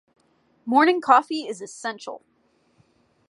Morning coffee is essential!